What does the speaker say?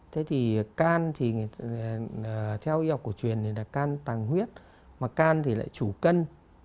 thế thì gan thì theo y học của truyền là gan tàng huyết mà gan thì lại chủ cân